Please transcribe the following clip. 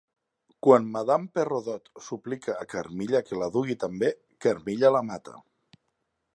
Quan Madame Perrodot suplica a Carmilla que la dugui també, Carmilla la mata.